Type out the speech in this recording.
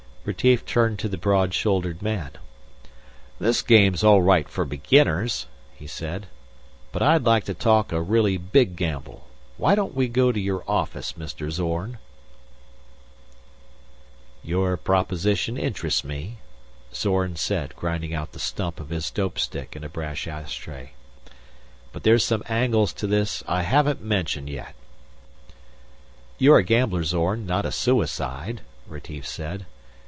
Retief turned to the broad shouldered man. "This game's all right for beginners," he said. "But I'd like to talk a really big gamble. Why don't we go to your office, Mr. Zorn?" "Your proposition interests me," Zorn said, grinding out the stump of his dope stick in a brass ashtray. "But there's some angles to this I haven't mentioned yet." "You're a gambler, Zorn, not a suicide," Retief said.